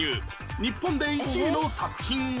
日本で１位の作品は？